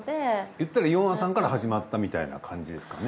いったらヨンアさんから始まったみたいな感じですかね